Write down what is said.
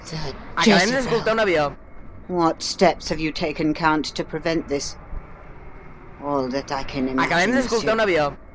"The Jezebel! What steps have you taken, Count, to prevent this?" "All that I can imagine, monsieur.